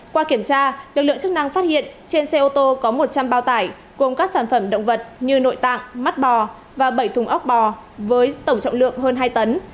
qua kiểm tra lực lượng chức năng phát hiện trên xe ô tô có một trăm linh bao tải gồm các sản phẩm động vật như nội tạng mắt bò và bảy thùng ốc bò với tổng trọng lượng hơn hai tấn